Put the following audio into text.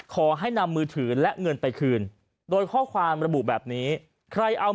ขอให้นำมือถือและเงินไปคืนโดยข้อความระบุแบบนี้ใครเอา